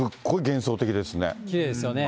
きれいですよね。